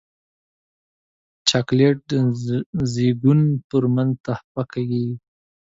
چاکلېټ د زیږون پر ورځ تحفه کېږي.